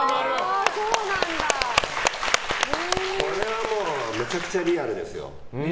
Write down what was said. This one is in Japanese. これはもうめちゃくちゃリアルですよ。